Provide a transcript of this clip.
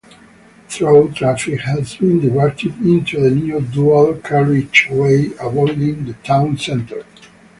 Through traffic has been diverted onto the new dual carriageway avoiding the town centre.